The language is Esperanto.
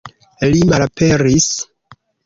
Li malaperis.